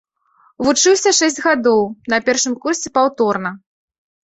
Вучыўся шэсць гадоў, на першым курсе паўторна.